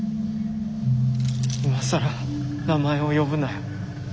今更名前を呼ぶなよ。